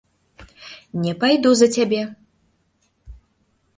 Не пайду за цябе!